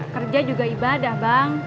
kerja juga ibadah bang